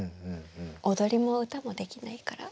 踊りも歌もできないから。